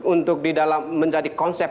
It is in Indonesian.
untuk di dalam menjadi konsep